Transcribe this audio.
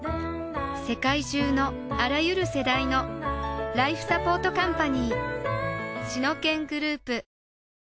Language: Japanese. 世界中のあらゆる世代のライフサポートカンパニーシノケングループ